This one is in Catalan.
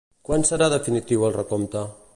Quan serà definitiu el recompte?